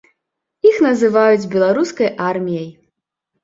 Іх называюць беларускай арміяй.